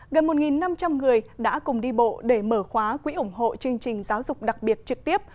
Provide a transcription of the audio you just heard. gần một năm trăm linh người đã cùng đi bộ để mở khóa quỹ ủng hộ chương trình giáo dục đặc biệt trực tiếp